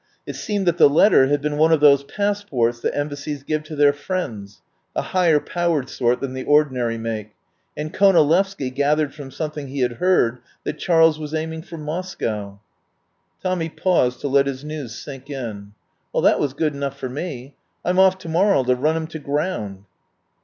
It seemed that the letter had been one of those passports that Embassies give to their friends — a higher powered sort than the ordi nary make — and Konalevsky gathered from something he had heard that Charles was aim ing for Moscow." Tommy paused to let his news sink in. "Well, that was good enough for me. I'm off to morrow to run him to ground."